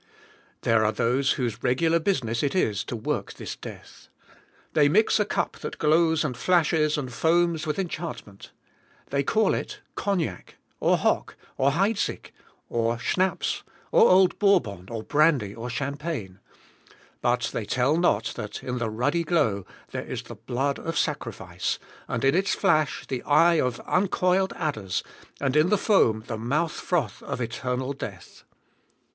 There are those whose regular business it is to work this death. They mix a cup that glows and flashes and foams with enchantment. They call it Cognac, or Hock, or Heidsick, or Schnapps, or Old Bourbon, or Brandy, or Champagne; but they tell not that in the ruddy glow there is the blood of sacrifice, and in its flash the eye of uncoiled adders, and in the foam the mouth froth of eternal death.